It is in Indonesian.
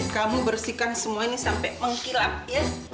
kamu bersihkan semua ini sampai mengkilap ya